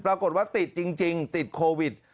ปรากฏว่าติดจริงจริงติดโควิด๑๙